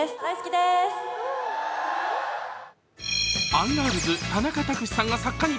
アンガールズ・田中卓志さんが作家に。